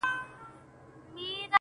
دا کټ مټ داسې ده